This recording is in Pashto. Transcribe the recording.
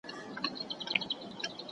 الا وه که بلا وه د لالي د سر قضا وه.